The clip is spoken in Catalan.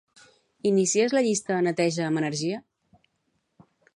Inicies la llista "Neteja amb energia"?